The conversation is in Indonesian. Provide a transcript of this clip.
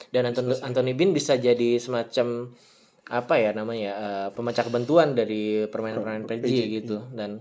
dan anthony bean bisa jadi semacam pemacakbentuan dari permainan permainan p j gitu